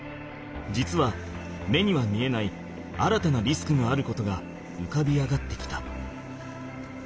実は目には見えない新たなリスクがあることが浮かび上がってきた。